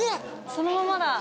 そのままだ。